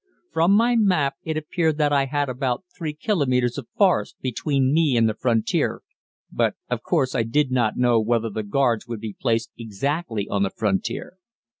From my map it appeared that I had about 3 kilometres of forest between me and the frontier, but of course I did not know whether the guards would be placed exactly on the frontier.